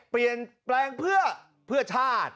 เปลี่ยนแปลงเพื่อชาติ